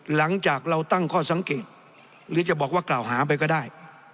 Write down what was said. หลังจากเราตั้งข้อสังเกตหรือจะบอกว่ากล่าวหาไปก็ได้